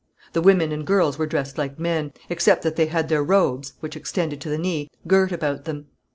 The women and girls were dressed like men, except that they had their robes, which extended to the knee, girt about them.